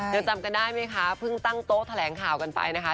ยังจำกันได้ไหมคะเพิ่งตั้งโต๊ะแถลงข่าวกันไปนะคะ